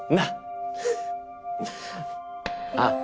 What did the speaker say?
ああ！